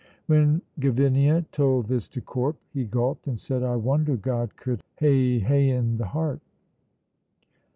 When Gavinia told this to Corp, he gulped and said, "I wonder God could hae haen the heart."